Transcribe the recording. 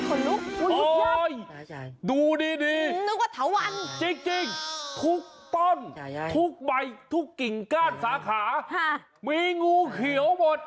โอ๊ยดูดีจริงทุกต้นทุกใบทุกกิ่งการสาขามีงูเขียวหมด